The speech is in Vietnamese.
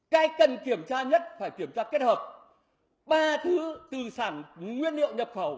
cái cần kiểm tra nhất phải kiểm tra kết hợp ba thứ từ nguyên liệu nhập khẩu